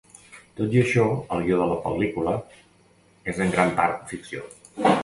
Tot i això el guió de la pel·lícula és en gran part ficció.